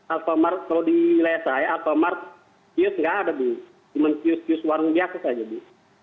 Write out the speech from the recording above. alpamart kalau di wilayah saya alpamart cius tidak ada bu cuman cius cius warung biakus saja bu